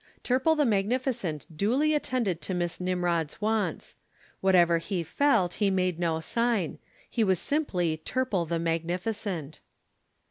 Turple the magnificent duly attended to Miss Nimrod's wants. Whatever he felt, he made no sign. He was simply Turple the magnificent.